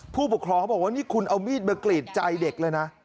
ผู้ปกครองเขาบอกว่านี่คุณเอามีดมากรีดใจเด็กเลยนะ